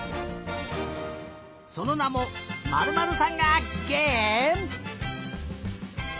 そのなも「○○さんが」げえむ。